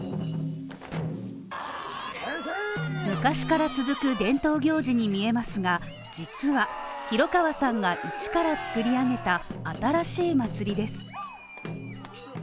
昔から続く伝統行事に見えますが、実は廣川さんが一から作り上げた新しい祭です。